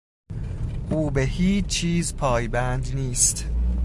او به هیچ چیز پایبند نیست.